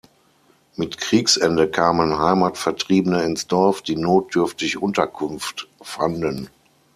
Mit Kriegsende kamen Heimatvertriebene ins Dorf, die notdürftig Unterkunft fanden.